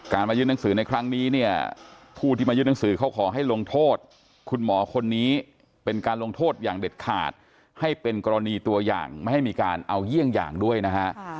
มายื่นหนังสือในครั้งนี้เนี่ยผู้ที่มายื่นหนังสือเขาขอให้ลงโทษคุณหมอคนนี้เป็นการลงโทษอย่างเด็ดขาดให้เป็นกรณีตัวอย่างไม่ให้มีการเอาเยี่ยงอย่างด้วยนะฮะ